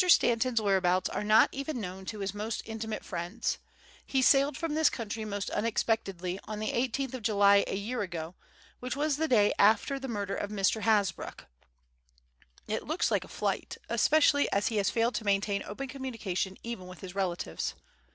Stanton's whereabouts are not even known to his most intimate friends. He sailed from this country most unexpectedly on the eighteenth of July a year ago, which was the day after the murder of Mr. Hasbrouck. It looks like a flight, especially as he has failed to maintain open communication even with his relatives.